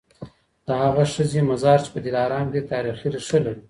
د هغه ښځي مزار چي په دلارام کي دی تاریخي ریښه لري.